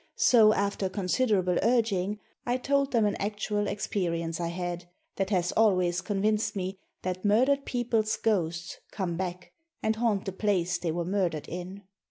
So after considerable urging I told them an actual experience I had, that has always convinced me that murdered people's ghosts come back and haunt the place they were murdered in.